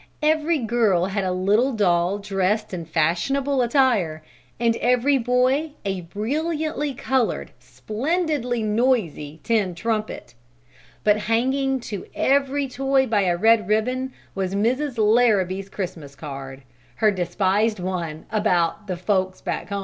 Every girl had a little doll dressed in fashionable attire, and every boy a brilliantly colored, splendidly noisy, tin trumpet; but hanging to every toy by a red ribbon was Mrs. Larrabee's Christmas card; her despised one about the "folks back home."